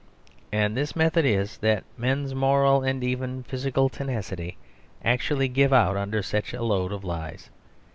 And this method is that men's moral and even physical tenacity actually give out under such a load of lies.